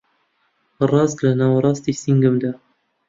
ڕاست لە ناوەڕاستی سنگمدا